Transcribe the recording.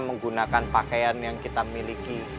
menggunakan pakaian yang kita miliki